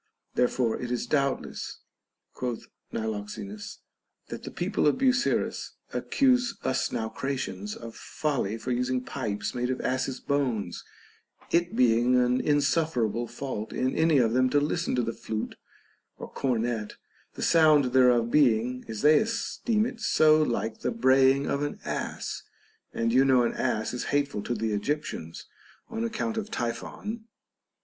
Therefore it is doubtless, quoth Niloxenus, that the people of Busiris accuse us Nau cratians of folly for using pipes made of asses' bones, it being an insufferable fault in any of them to listen to the flute or cornet, the sound thereof being (as they esteem it) so like the braying of an ass ; and you know an ass is hateful to the Egyptians on account of Typhon.